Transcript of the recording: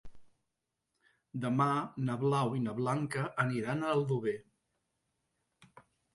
Demà na Blau i na Blanca aniran a Aldover.